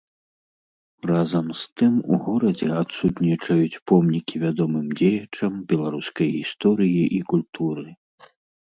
Разам з тым у горадзе адсутнічаюць помнікі вядомым дзеячам беларускай гісторыі і культуры.